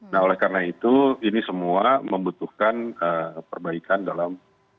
nah oleh karena itu ini semua membutuhkan perbaikan dalam